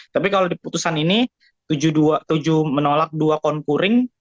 tapi kalau di putusan ini tujuh menolak dua konkuring